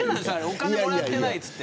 お金もらってないって。